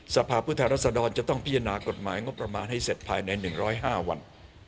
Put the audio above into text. สภาพผู้แทนรัศดรจะต้องพิจารณากฎหมายงบประมาณให้เสร็จภายใน๑๐๕วัน